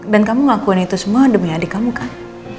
dan kamu ngakuin itu semua demi adik kamu kan